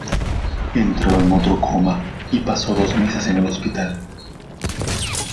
Entró en otro coma y pasó dos meses en el hospital.